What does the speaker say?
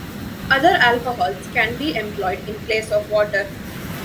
Other alcohols can be employed in place of water.